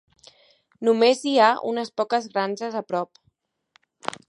Només hi ha unes poques granges a prop.